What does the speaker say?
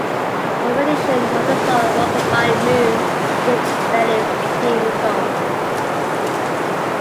Her rendition of the song "Rock-a-Bye Moon" became Benny's theme song.